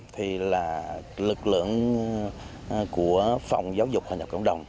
thì là lực lượng của phòng giáo dục hòa nhập cộng đồng